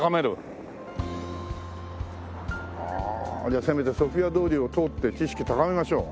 じゃあせめてソフィア通りを通って知識を高めましょう。